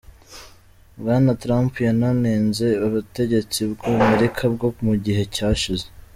Bwana Trump yananenze ubutegetsi bw'Amerika bwo mu gihe cyashize.